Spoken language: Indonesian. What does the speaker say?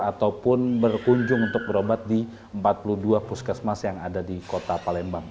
ataupun berkunjung untuk berobat di empat puluh dua puskesmas yang ada di kota palembang